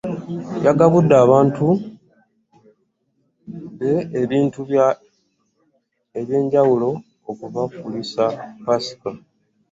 Yagabudde abantu be ebintu bya eby'enjawulo okubakulisa ppaasika.